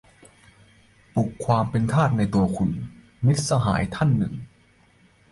"ปลุกความเป็นทาสในตัวคุณ" - มิตรสหายท่านหนึ่ง